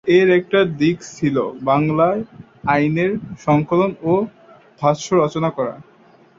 এর একটা দিক ছিল বাংলায় আইনের সংকলন ও ভাষ্য রচনা করা।